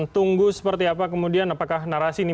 tunggu seperti apa kemudian apakah narasi ini